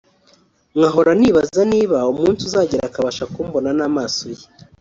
nkahora nibaza niba umunsi uzagera akabasha kumbona n’amaso ye